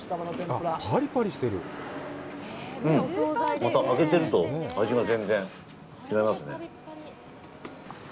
また、揚げてると味が全然違いますね。